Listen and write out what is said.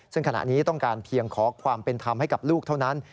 ซึ่งขณะนี้ต้องการเพียงขอความเป็นธรรมให้กับลูกเท่านั้น